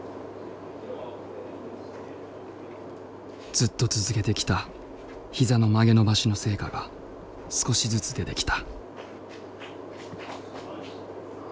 ずっと続けてきたひざの曲げ伸ばしの成果が少しずつ出てきた。